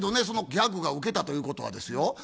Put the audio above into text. そのギャグがウケたということはですよ